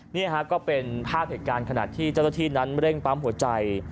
นี่ฮะก็เป็นภาพเหตุการณ์ขณะที่เจ้าหน้าที่นั้นเร่งปั๊มหัวใจ